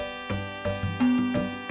ada apa be